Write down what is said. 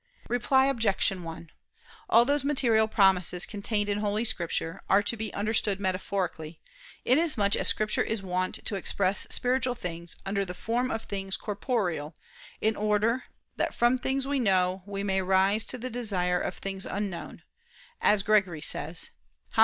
Reply Obj. 1: All those material promises contained in Holy Scripture, are to be understood metaphorically, inasmuch as Scripture is wont to express spiritual things under the form of things corporeal, in order "that from things we know, we may rise to the desire of things unknown," as Gregory says (Hom.